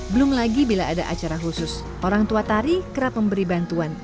belum lagi bila ada acara khusus orang tua tari kerap memberi bantuan